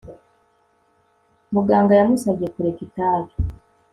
Muganga yamusabye kureka itabi